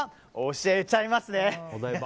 教えちゃいますね！